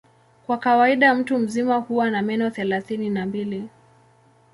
Kwa kawaida mtu mzima huwa na meno thelathini na mbili.